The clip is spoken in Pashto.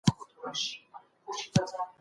لیکل د پیچلو موضوعاتو لپاره تر اورېدلو غوره دي.